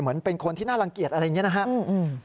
เหมือนเป็นคนที่น่ารังเกียจอะไรอย่างนี้นะครับ